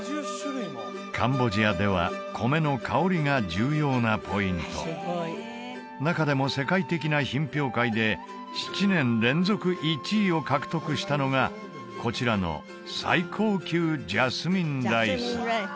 カンボジアでは米の香りが重要なポイント中でも世界的な品評会で７年連続１位を獲得したのがこちらの最高級ジャスミンライス